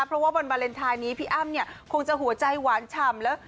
เพราะว่าวันวาเลนไทยนี้พี่อ้ำเนี่ยคงจะหัวใจหวานฉ่ำแล้ว